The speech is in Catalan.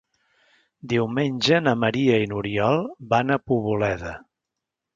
Diumenge na Maria i n'Oriol van a Poboleda.